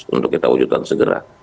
untuk kita wujudkan segera